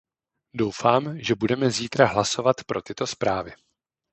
Doufám, že budeme zítra hlasovat pro tyto zprávy.